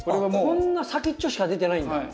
こんな先っちょしか出てないんだ。